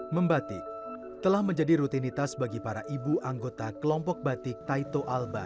membatik telah menjadi rutinitas bagi para ibu anggota kelompok batik taito alba